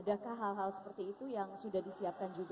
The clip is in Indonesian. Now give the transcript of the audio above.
adakah hal hal seperti itu yang sudah disiapkan juga